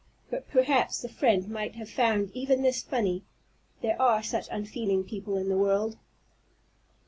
But perhaps the friend might have found even this funny, there are such unfeeling people in the world!